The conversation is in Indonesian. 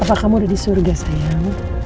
apakah kamu udah di surga sayang